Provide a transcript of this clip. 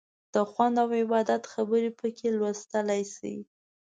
د خوند او عبادت خبرې پکې لوستلی شئ.